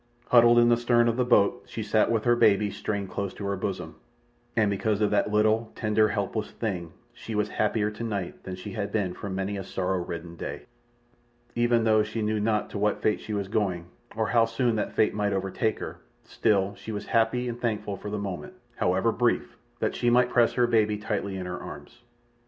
Huddled in the stern of the boat she sat with her baby strained close to her bosom, and because of that little tender, helpless thing she was happier tonight than she had been for many a sorrow ridden day. Even though she knew not to what fate she was going, or how soon that fate might overtake her, still was she happy and thankful for the moment, however brief, that she might press her baby tightly in her arms.